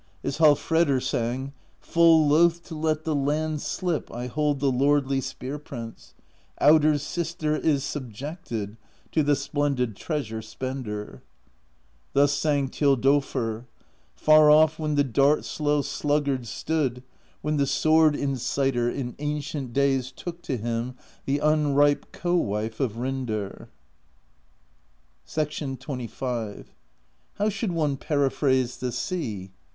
As Hallfredr sang Full loath to let the Land slip I hold the lordly Spear Prince: Audr's sister is subjected To the splendid Treasure Spender. Thus sang Thjodolfr: Far off the dart slow sluggard Stood, when the Sword Inciter In ancient days took to him The unripe Co Wife of Rindr. XXV. "How should one periphrase the sea?